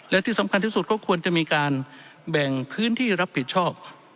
และที่สำคัญที่สุดก็ควรจะมีการแบ่งพื้นที่รับผิดชอบ